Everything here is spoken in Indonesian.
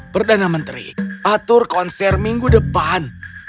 perdana menteri atur konser minggu depan